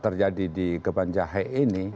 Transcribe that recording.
terjadi di geban jahe ini